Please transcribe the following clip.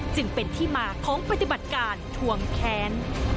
จึงเป็นที่มาของปฏิบัติการทวงแค้น